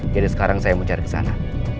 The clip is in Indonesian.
jadi sekarang saya mau cari sana